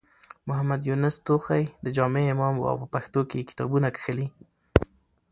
محمد يونس توخى د جامع امام و او په پښتو کې يې کتابونه کښلي.